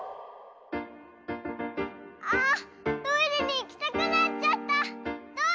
「あトイレにいきたくなっちゃったあ。